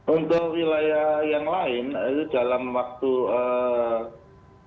untuk wilayah wilayah lain mana saja yang harus diwaspadai